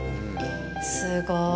すごい。